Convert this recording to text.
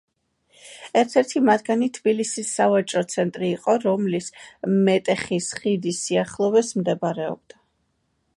ერთ-ერთი მათგანი თბილისის სავაჭრო ცენტრი იყო, რომელიც მეტეხის ხიდის სიახლოვეს მდებარეობდა.